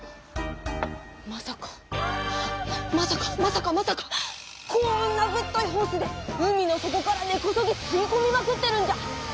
まさかまさかまさかまさかこんなぶっといホースで海の底から根こそぎすいこみまくってるんじゃ。